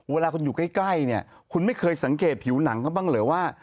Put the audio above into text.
เวลาคุณอยู่ใกล้เนี่ยคุณไม่เคยสังเกตผิวหนังเขาบ้างเหรอว่า